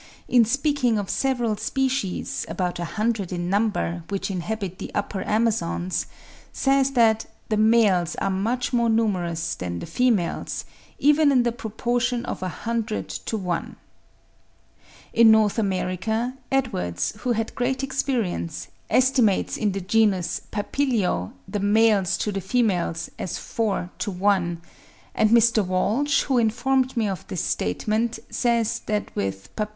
in speaking of several species, about a hundred in number, which inhabit the upper Amazons, says that the males are much more numerous than the females, even in the proportion of a hundred to one. In North America, Edwards, who had great experience, estimates in the genus Papilio the males to the females as four to one; and Mr. Walsh, who informed me of this statement, says that with P.